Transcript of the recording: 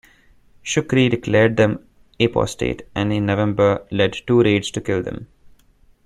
Shukri declared them apostate and, in November, led two raids to kill them.